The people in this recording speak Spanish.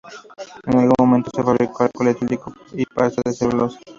En algún momento se fabricó alcohol etílico y pasta de celulosa.